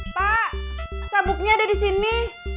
pak sabuknya ada disini